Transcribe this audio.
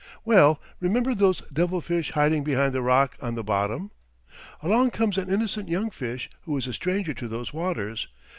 Well, remember those devil fish hiding behind the rock on the bottom? Along comes an innocent young fish who is a stranger to those waters.